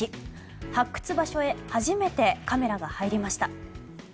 発掘場所へ初めてカメラが入りました。